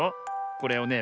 これをね